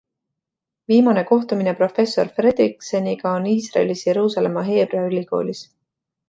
Viimane kohtumine professor Fredrikseniga on Iisraelis Jeruusalemma Heebrea ülikoolis.